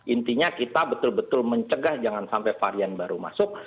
intinya kita betul betul mencegah jangan sampai varian baru masuk